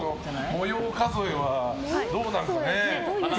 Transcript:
模様数えはどうなんだろうね。